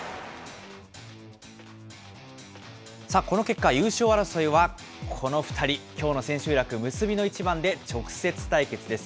この結果、優勝争いはこの２人、きょうの千秋楽、結びの一番で直接対決です。